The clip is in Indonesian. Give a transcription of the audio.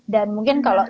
dan mungkin kalau